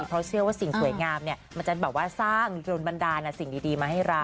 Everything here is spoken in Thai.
เพราะเชื่อว่าสิ่งสวยงามมันจะแบบว่าสร้างโดนบันดาลสิ่งดีมาให้เรา